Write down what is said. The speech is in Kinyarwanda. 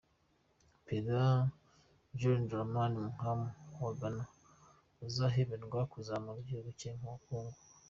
Perezida John Dramani Mahama wa Ghana, azahemberwa kuzamura igihugu cye mu bukungu.